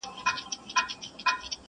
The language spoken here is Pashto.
نه تر ستوني یې سو کښته تېرولالی!.